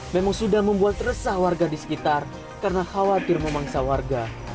memang sudah membuat resah warga di sekitar karena khawatir memangsa warga